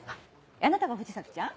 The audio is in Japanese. あなたが藤崎ちゃん？